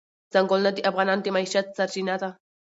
ځنګلونه د افغانانو د معیشت سرچینه ده.